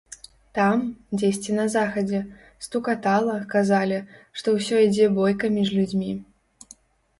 Там, дзесьці на захадзе, стукатала, казалі, што ўсё ідзе бойка між людзьмі.